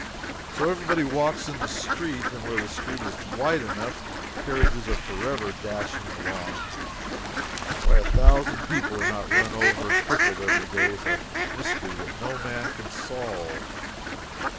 So everybody walks in the street and where the street is wide enough, carriages are forever dashing along. Why a thousand people are not run over and crippled every day is a mystery that no man can solve.